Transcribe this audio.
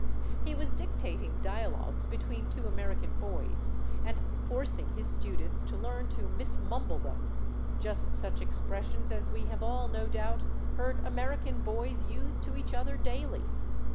He was dictating dialogues between two American boys, and forcing his students to learn to mismumble them; just such expressions as we have all, no doubt, heard American boys use to each other daily.